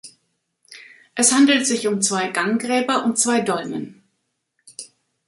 Es handelt sich um zwei Ganggräber und zwei Dolmen.